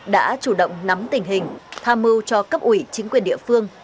đã chủ động nắm tình hình tham mưu cho cấp ủy chính quyền địa phương